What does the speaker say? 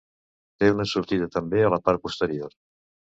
Té una sortida també a la part posterior.